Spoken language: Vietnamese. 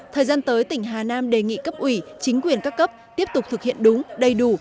thời gian tới tỉnh hà nam đề nghị cấp ủy chính quyền các cấp tiếp tục thực hiện đúng đầy đủ